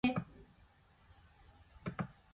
水、足りなくね？